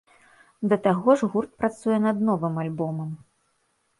Да таго ж гурт працуе над новым альбомам.